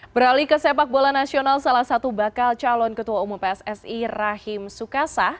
beralih ke sepak bola nasional salah satu bakal calon ketua umum pssi rahim sukasa